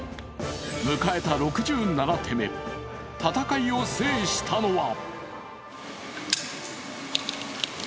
迎えた６７手目、戦いを制したのは。